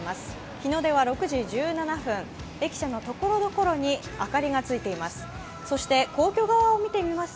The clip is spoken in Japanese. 日の出は６時１７分、駅舎のところどころに明かりがついています。